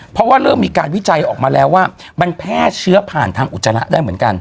เพราะว่าเริ่มมีการวิจัยออกมาแล้วว่ามันแพร่เชื้อผ่านทางอุจจาระได้เหมือนกัน